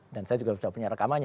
dan saya juga punya rekamannya